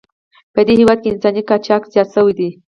په هېواد کې انساني قاچاق زیات شوی دی.